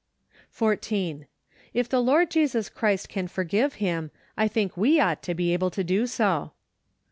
14. If the Lord Jesus Christ can forgive him, I think we ought to be able to do so."